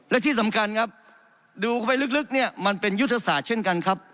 และที่สำคัญครับดูเข้าไปลึกเนี่ยมันเป็นยุทธศาสตร์เช่นกันครับ